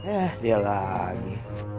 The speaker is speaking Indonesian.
eh dia lagi